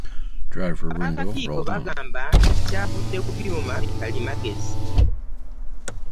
Ng'abakakiiko bagamba nti kyavudde ku byuma bikalimagezi